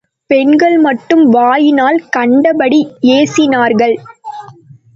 பெண்கள் மட்டும் வாயினால் கண்டபடி ஏசினார்கள்.